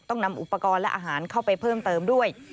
ต้องนำอุปกรณ์และอาหารเข้าไปเพิ่มเติมด้วย